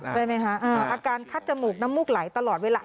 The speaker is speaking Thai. ใช่ไหมคะอาการคัดจมูกน้ำมูกไหลตลอดเวลา